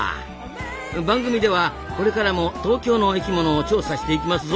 番組ではこれからも東京の生きものを調査していきますぞ。